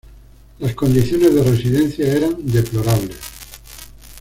Las condiciones de residencia eran deplorables.